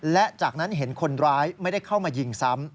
และจากนั้นเห็นคนร้ายไม่ได้เข้ามายิงซ้ำ